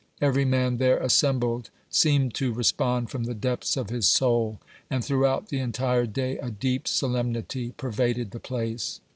Every man there assembled seemed to respond from the depths of his soul, and throughout the entire day, a deep solemnity pervaded the place.